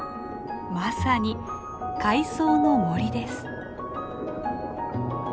まさに海藻の森です。